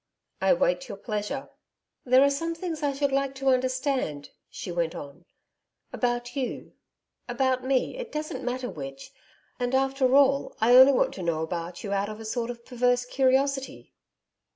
'I wait your pleasure.' 'There are some things I should like to understand,' she went on, ' about you about me, it doesn't matter which. And, after all, I only want to know about you out of a sort of perverse curiosity.'